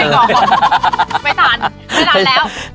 ไม่ทันไม่ทานแล้ว